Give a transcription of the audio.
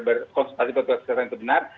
berkonsultasi berkonsepsi yang benar